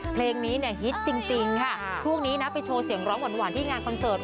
เพลงนี้เนี่ยฮิตจริงค่ะช่วงนี้นะไปโชว์เสียงร้องหวานที่งานคอนเสิร์ต